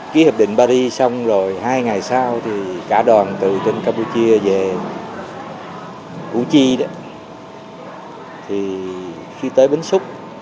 ký hợp định paris xong rồi hai ngày sau thì cả đoàn tự trên campuchia về uchi đấy cứ tới bến súc